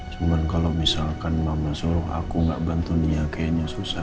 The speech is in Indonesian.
cuman kalau misalkan mama suruh aku tidak bantu nia kayaknya susah